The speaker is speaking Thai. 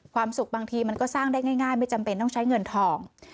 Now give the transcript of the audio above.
บางทีมันก็สร้างได้ง่ายไม่จำเป็นต้องใช้เงินทอง